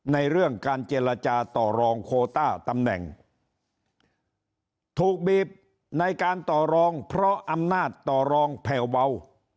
ในเรื่องการเจรจาต่อรองโคต้าตำแหน่งถูกบีบในการต่อรองเพราะอำนาจต่อรองแผ่วเบา